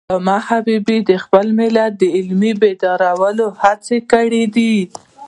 علامه حبیبي د خپل ملت د علمي بیدارۍ هڅه کړی ده.